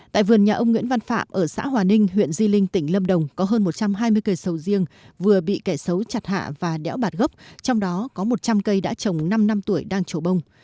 tại vườn nhà ông nguyễn văn phạm ở xã hòa ninh huyện di linh tỉnh lâm đồng có hơn một trăm hai mươi cây sầu riêng vừa bị kẻ xấu chặt hạ và đéo bạt gốc trong đó có một trăm linh cây đã trồng năm năm tuổi đang trổ bông